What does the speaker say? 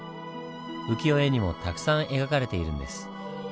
浮世絵にもたくさん描かれているんです。